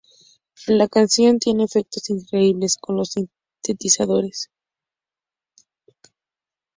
La canción tiene efectos increíbles, con los sintetizadores.